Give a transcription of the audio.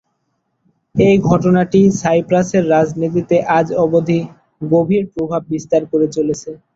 এই ঘটনাটি সাইপ্রাসের রাজনীতিতে আজ অবধি গভীর প্রভাব বিস্তার করে চলেছে।